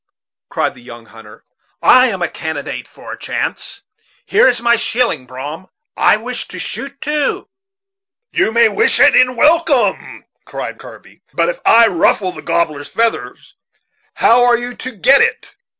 cried the young hunter; "I am a candidate for a chance. Here is my shilling, Brom; I wish a shot too." "You may wish it in welcome," cried Kirby, "but if I ruffle the gobbler's feathers, how are you to get it?